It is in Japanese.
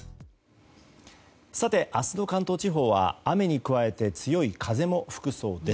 明日の関東地方は雨に加えて強い風も吹くそうです。